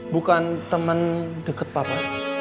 bukan temen deket papa